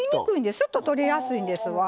すっと取れやすいんですわ。